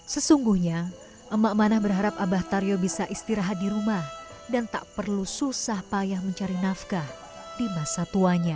sesungguhnya emak manah berharap abah taryo bisa istirahat di rumah dan tak perlu susah payah mencari nafkah di masa tuanya